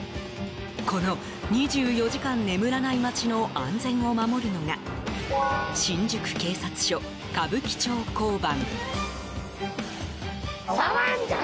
この２４時間眠らない街の安全を守るのが新宿警察署歌舞伎町交番。